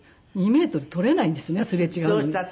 ２メートル取れないんですねすれ違うのに。